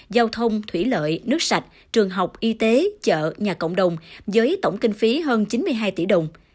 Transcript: giao thông thủy lợi nước sạch trường học y tế chợ nhà cộng đồng với tổng kinh phí hơn chín mươi hai tỷ đồng